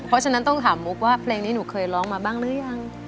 เพราะฉะนั้นต้องถามมุกว่าเพลงนี้หนูเคยร้องมาบ้างหรือยัง